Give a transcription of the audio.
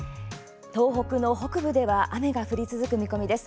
東北の北部では雨が続く見込みです。